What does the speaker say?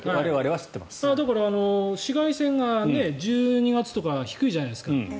だから紫外線は１２月とかは低いじゃないですか。